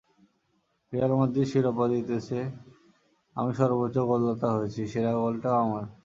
Real Madrid শিরোপা জিতেছে, আমি সর্বোচ্চ গোলদাতা হয়েছি, সেরা গোলটাও আমার।